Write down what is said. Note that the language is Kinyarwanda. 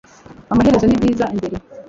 amaherezo ni byiza imbere